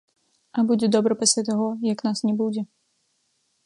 А будзе добра пасля таго, як нас не будзе.